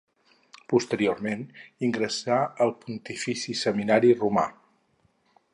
Posteriorment ingressà al Pontifici Seminari Romà.